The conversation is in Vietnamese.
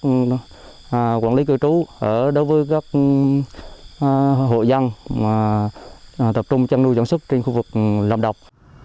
nên là quản lý cư trú ở đối với các hội dân mà tập trung chăn nuôi sản xuất trên khu vực làm độc